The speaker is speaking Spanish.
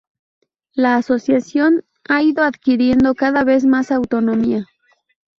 La Asociación ha ido adquiriendo cada vez más autonomía.